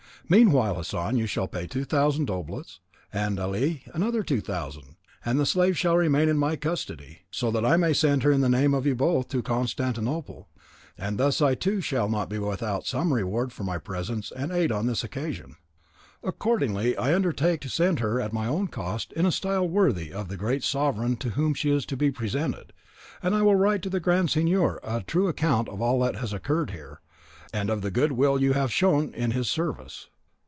Meanwhile, you Hassan shall pay two thousand doblas, and you Ali another two thousand, and the slave shall remain in my custody, so that I may send her in the name of you both to Constantinople, and thus I too shall not be without some reward for my presence and aid on this occasion. Accordingly, I undertake to send her at my own cost in a style worthy of the great sovereign to whom she is to be presented; and I will write to the Grand Signor a true account of all that has occurred here, and of the good will you have shown in his service."